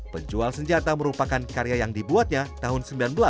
penjual senjata merupakan karya yang dibuatnya tahun seribu sembilan ratus sembilan puluh